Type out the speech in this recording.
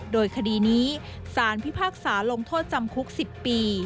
โดยคดีนี้สารพิพากษาลงโทษจำคุก๑๐ปี